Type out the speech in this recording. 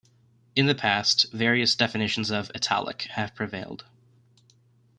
In the past, various definitions of "Italic" have prevailed.